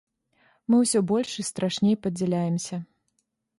Мы ўсё больш і страшней падзяляемся.